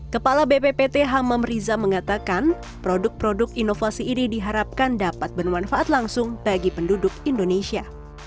kepala bppt hamam riza mengatakan produk produk inovasi ini diharapkan dapat bermanfaat langsung bagi penduduk indonesia